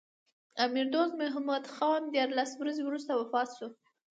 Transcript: امیر دوست محمد خان دیارلس ورځې وروسته وفات شو.